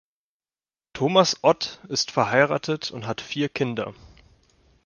Thomas Ott ist verheiratet und hat vier Kinder.